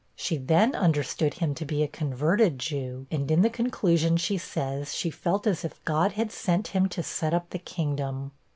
She then understood him to be a converted Jew, and in the conclusion she says she 'felt as if God had sent him to set up the kingdom.'